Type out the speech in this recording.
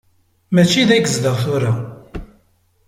Mačči da i yezdeɣ tura.